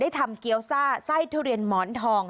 ทำเกี้ยวซ่าไส้ทุเรียนหมอนทอง